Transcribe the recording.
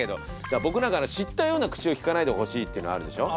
僕なんか「知ったような口をきかないで欲しい」っていうのあるでしょ。